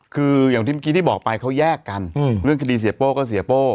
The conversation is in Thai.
คืออย่างที่เมื่อกี้ที่บอกไปเขาแยกกันเรื่องคดีเสียโป้ก็เสียโป้